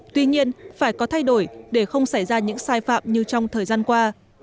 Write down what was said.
tuy nhiên phải có thay đổi để không xảy ra những sai phạm như trong thời gian qua